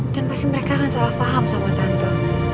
dan pasti mereka akan salah faham sama tante